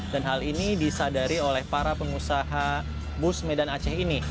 dan hal ini disadari oleh para pengusaha bus medan aceh ini